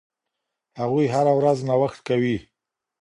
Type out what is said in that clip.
هغوی هره ورځ نوښت کوي.